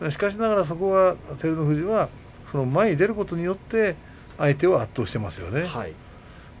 照ノ富士は前に出ることによって相手を圧倒していますね。